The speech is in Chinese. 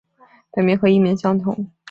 本名和艺名相同。